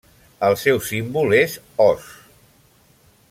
El seu símbol és Os.